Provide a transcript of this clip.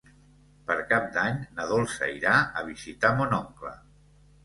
Per Cap d'Any na Dolça irà a visitar mon oncle.